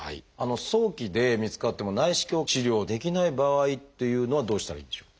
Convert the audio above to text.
早期で見つかっても内視鏡治療できない場合というのはどうしたらいいんでしょう？